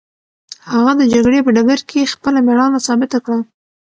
هغه د جګړې په ډګر کې خپله مېړانه ثابته کړه.